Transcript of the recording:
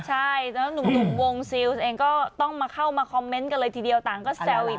ใช่แล้วหนุ่มวงซิลส์เองก็ต้องมาเข้ามาคอมเมนต์กันเลยทีเดียวต่างก็แซวอีก